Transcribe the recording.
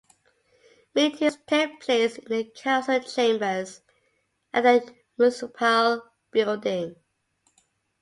Meetings take place in the Council Chambers at the Municipal Building.